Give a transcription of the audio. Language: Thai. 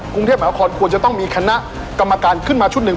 กรุงเทพมหาคอนควรจะต้องมีคณะกรรมการขึ้นมาชุดหนึ่ง